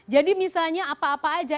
jadi misalnya apa apa aja